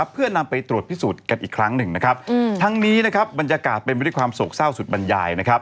เพื่อนำไปตรวจพิสูจน์กันอีกครั้งหนึ่งนะครับทั้งนี้บรรยากาศเป็นไปด้วยความโศกเศร้าสุดบรรยาย